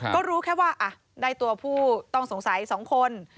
ก็รู้แค่ว่าได้ตัวผู้ต้องสงสัย๒คน